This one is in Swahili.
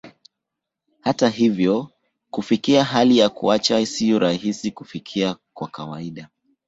Hata hivyo, kufikia hali ya kuacha sio rahisi kufikia kwa kawaida.